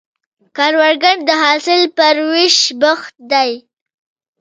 کروندګر د حاصل پر ویشنې بوخت دی